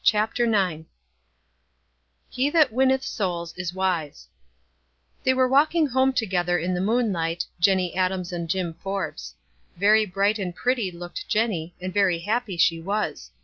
CHAPTER IX, u He that vrinneth souls is wise" They were walking home together in the moonlight, £enny Adams and Jim Forbes. Very bright and pretty looked Jenny, and very happy she was.